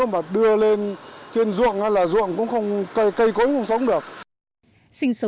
bà đàm thị nguyễn